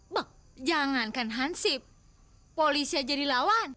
bek jangankan hansip polisi aja jadi lawan